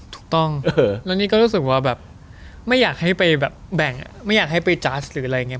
ถูกต้องแล้วนี่ก็รู้สึกว่าแบบไม่อยากให้ไปแบบแบ่งไม่อยากให้ไปจัดหรืออะไรอย่างนี้